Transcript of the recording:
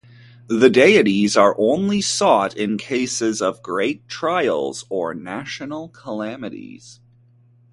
The deities are only sought in cases of great trials or national calamities.